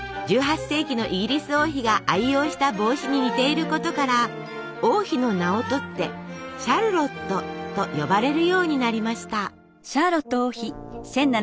１８世紀のイギリス王妃が愛用した帽子に似ていることから王妃の名をとって「シャルロット」と呼ばれるようになりました。